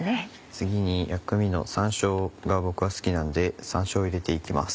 次に薬味の山椒が僕は好きなので山椒を入れて行きます。